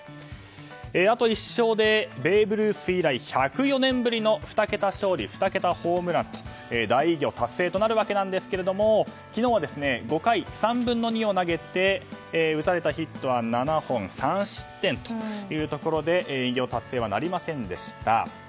あと１勝でベーブ・ルース以来１０４年ぶりの２桁勝利２桁ホームランの大偉業達成となるわけなんですが昨日は５回３分の２を投げて打たれたヒットが７本３失点というところで偉業達成はなりませんでした。